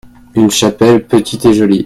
une chapelle, petite et jolie.